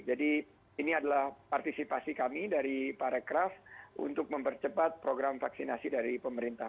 jadi ini adalah partisipasi kami dari para kraft untuk mempercepat program vaksinasi dari pemerintah